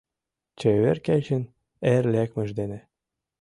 Чевер кечын эр лекмыж дене